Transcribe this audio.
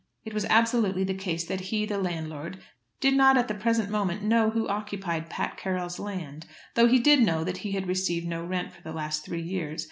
It was absolutely the case that he, the landlord, did not at the present moment know who occupied Pat Carroll's land, though he did know that he had received no rent for the last three years.